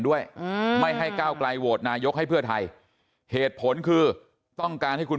ด้วยไม่ให้ก้าวไกลโหวตนายกให้เพื่อไทยเหตุผลคือต้องการให้คุณ